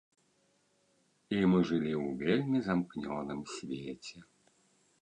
І мы жылі ў вельмі замкнёным свеце.